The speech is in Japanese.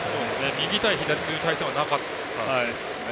右対左という対戦はなかったですね。